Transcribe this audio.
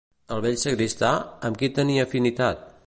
El vell sagristà, amb qui tenia afinitat?